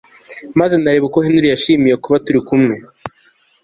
maze nareba uko Henry yashimiye kuba turi kumwe